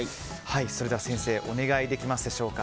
先生、お願いできますでしょうか。